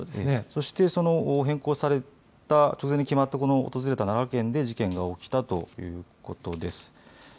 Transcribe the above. そして変更された、直前に決まった訪れた奈良県で事件が起きたということです。